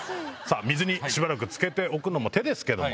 水にしばらくつけておくのも手ですけども。